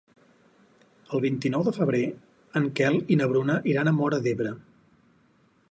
El vint-i-nou de febrer en Quel i na Bruna iran a Móra d'Ebre.